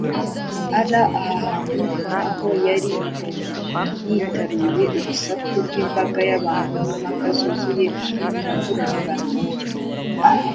Ara aha hantu aho yari yitaruye urusaku rw’imbaga y’abantu n’impaka zuzuye umuvurungano,